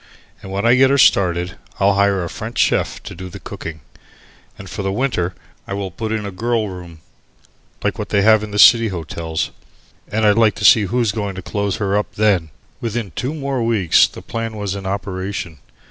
And when I get her started, I'll hire a French Chief to do the cooking, and for the winter I will put in a 'girl room,' like what they have in the city hotels. And I'd like to see who's going to close her up then." Within two more weeks the plan was in operation.